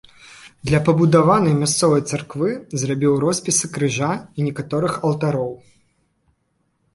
Для пабудаванай мясцовай царквы зрабіў роспісы крыжа і некаторых алтароў.